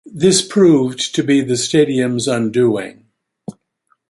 This proved to be the stadium's undoing.